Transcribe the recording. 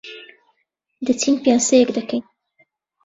دەچین پیاسەیەک دەکەین.